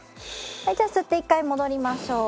じゃあ吸って一回戻りましょう。